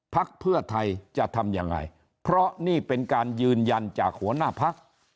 พักเพื่อไทยจะทำยังไงเพราะนี่เป็นการยืนยันจากหัวหน้าพัก